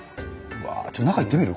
ちょっと中行ってみる？